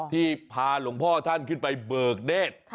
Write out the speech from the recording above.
ที่พาหลวงพ่อท่านขึ้นไปเบิกเนธ